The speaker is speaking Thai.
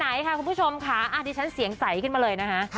ไหนค่ะคุณผู้ชมค่ะดิฉันเสียงใสขึ้นมาเลยนะคะ